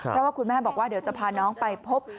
เพราะว่าคุณแม่บอกว่าเดี๋ยวจะพาน้องไปพบ